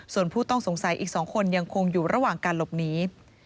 ส่วนผู้ต้องสงสัยอีก๒คนยังคงอยู่ระหว่างการหลบหนี